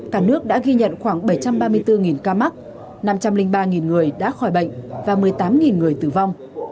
cả nước đã ghi nhận khoảng bảy trăm ba mươi bốn ca mắc năm trăm linh ba người đã khỏi bệnh và một mươi tám người tử vong